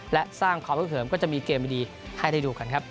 และสร้างความฮึกเหิมก็จะมีเกมดีให้ได้ดูกันครับ